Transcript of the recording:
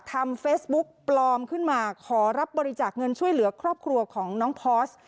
ทำเฟซบุ๊กปลอมขึ้นมาขอรับบริจาคเงินช่วยเหลือครอบครัวของน้องพอร์ส